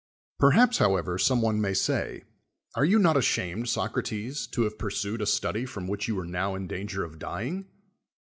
Perhaps, however, some one may say, "Are you not ashamed, Socrates, to have pursued a study from which you are now in danger of dying?"